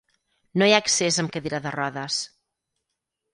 No hi ha accés amb cadira de rodes.